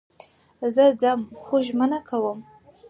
زه ځم خو ژمنه کوم